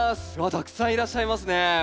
たくさんいらっしゃいますね。